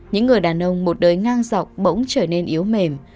những người đàn ông một đời ngang dọc bỗng trở nên yếu mềm